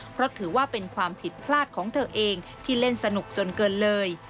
เพราะถือว่าเป็นความผิดพลาดของเธอเองที่เล่นสนุกจนเกินเลย